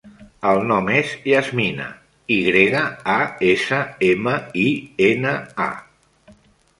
El nom és Yasmina: i grega, a, essa, ema, i, ena, a.